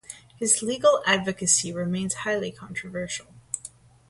His legal advocacy remains highly controversial.